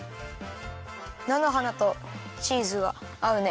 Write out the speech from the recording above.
なのはなとチーズがあうね。